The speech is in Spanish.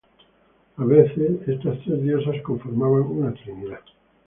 A veces, estas tres diosas conformaban una trinidad.